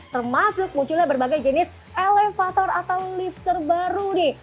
termasuk munculnya berbagai jenis elevator atau lift terbaru nih